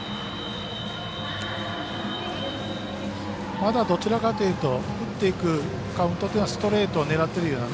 まだどちらかというと振っていくカウントというのはストレートを狙っているような